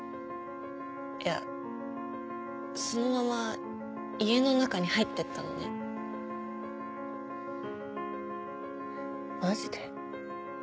いやそのまま家の中に入ってったのマジで？